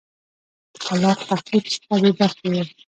د خلاق تخریب څخه بې برخې وه